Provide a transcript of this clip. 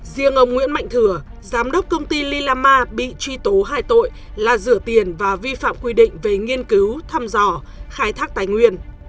riêng ông nguyễn mạnh thừa giám đốc công ty lilama bị truy tố hai tội là rửa tiền và vi phạm quy định về nghiên cứu thăm dò khai thác tài nguyên